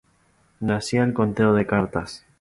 Nacía el conteo de cartas.